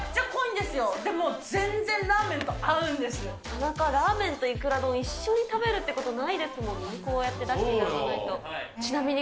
でも、なかなかラーメンといくら丼、一緒に食べるっていうことないですもんね、こうやって一緒に出していただかないと。